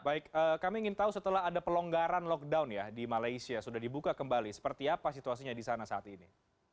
baik kami ingin tahu setelah ada pelonggaran lockdown ya di malaysia sudah dibuka kembali seperti apa situasinya di sana saat ini